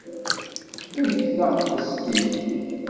Eg taɣtest-ik.